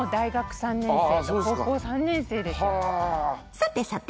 さてさて！